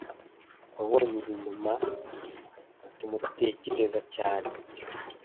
Wabonye ibi nyuma, tmutekereza cyane